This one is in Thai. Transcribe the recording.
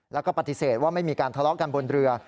แล้วก็ปฏิเสธว่าไม่มีการทะเลาะกันบนเรือ